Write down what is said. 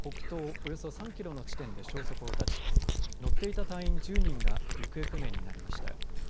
およそ３キロの地点で消息を絶ち乗っていた隊員１０人が行方不明になりました。